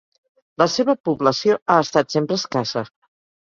La seva població ha estat sempre escassa.